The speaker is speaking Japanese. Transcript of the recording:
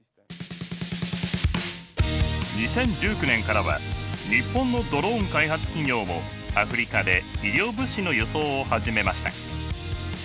２０１９年からは日本のドローン開発企業もアフリカで医療物資の輸送を始めました。